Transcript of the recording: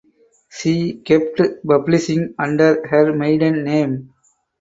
She kept publishing under her maiden name.